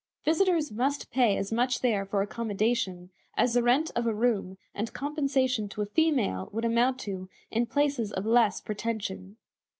Visitors must pay as much there for accommodation as the rent of a room and compensation to a female would amount to in places of less pretension.